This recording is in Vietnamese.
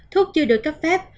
thuốc chưa được cấp phép